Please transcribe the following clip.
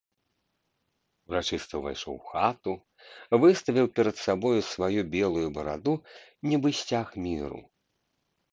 Урачыста ўвайшоў у хату, выставіў перад сабою сваю белую бараду, нібы сцяг міру.